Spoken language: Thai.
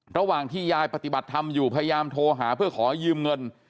ระหว่างที่ยายปฏิบัติธรรมอยู่พยายามโทรหาเพื่อขอยืมเงิน